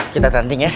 kita tanting ya